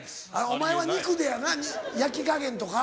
お前は肉でやな焼き加減とか。